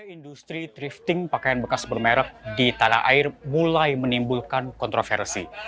industri drifting pakaian bekas bermerek di tanah air mulai menimbulkan kontroversi